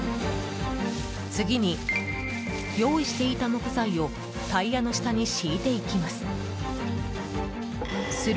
次に、用意していた木材をタイヤの下に敷いていきます。